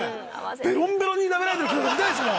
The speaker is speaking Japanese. ベロンベロンになめられてる木村さん見たいですもん。